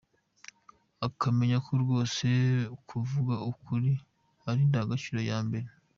Ukamenya ko rwose kuvuga ukuri ari indangagaciro ya mbere.